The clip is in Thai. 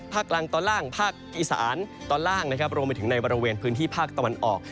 กลางตอนล่างภาคอีสานตอนล่างนะครับรวมไปถึงในบริเวณพื้นที่ภาคตะวันออก